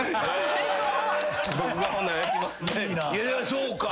そうか。